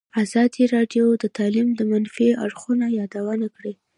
ازادي راډیو د تعلیم د منفي اړخونو یادونه کړې.